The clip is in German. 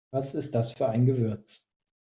Was ist das für ein Gewürz?